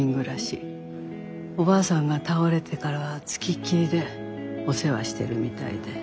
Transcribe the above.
おばあさんが倒れてからは付きっきりでお世話してるみたいで。